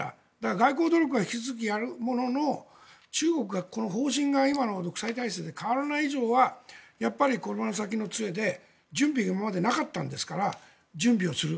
外交努力は引き続きやるものの中国の方針が今の独裁体制で変わらない以上は転ばぬ先の杖で準備が今までなかったんですから準備をする。